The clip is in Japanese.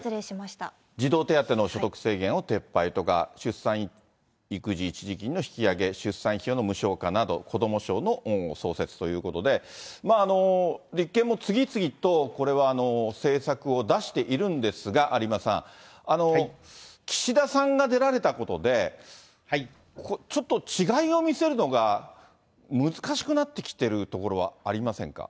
児童手当の所得制限を撤廃とか、出産、育児一時金の引き上げ、出産費用の無償化など、こども省の創設ということで、立憲も次々と、これは政策を出しているんですが、有馬さん、岸田さんが出られたことで、ちょっと違いを見せるのが難しくなってきてるところはありませんか？